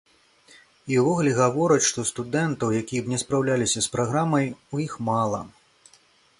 І ўвогуле гавораць, што студэнтаў, якія б не спраўляліся з праграмай, у іх мала.